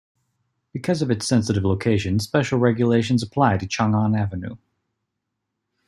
Because of its sensitive location, special regulations apply to Chang'an Avenue.